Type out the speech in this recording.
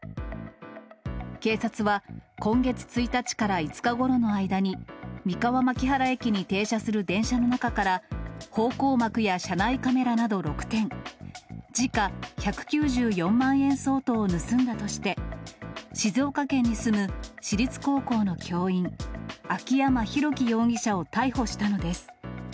警察は、今月１日から５日ごろの間に、三河槙原駅に停車する電車の中から、方向幕や車内カメラなど６点、時価１９４万円相当を盗んだとして、静岡県に住む私立高校の教員、秋山大輝容疑者を逮捕したのです。